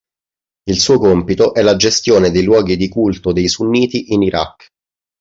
Il suo compito è la gestione dei luoghi di culto dei sunniti in Iraq.